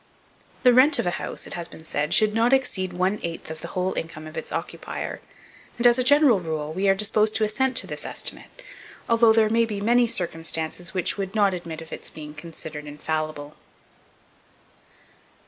The rent of a house, it has been said, should not exceed one eighth of the whole income of its occupier; and, as a general rule, we are disposed to assent to this estimate, although there may be many circumstances which would not admit of its being considered infallible.